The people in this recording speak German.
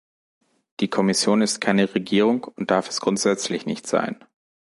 Die Kommission ist keine Regierung und darf es grundsätzlich nicht sein.